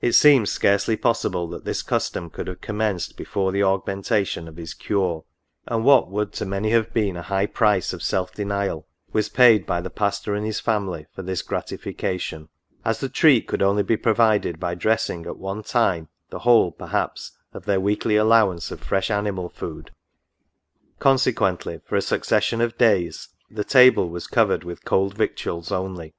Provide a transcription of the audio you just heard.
It seems scarcely possible that this custom could have commenced before the augmentation of his cure; and, what would to many have been a high price of self denial, was paid, by the pastor and his family, for this gratification ; as the treat could only be provided by dressing at one time the whole, perhaps, of their weekly allowance of fresh animal food ; consequently, for a succession of days, the table was covered with cold victuals only.